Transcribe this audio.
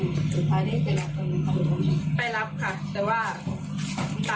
ไม่มีใครห้ามไม่มีใครห้ามตาได้หรอก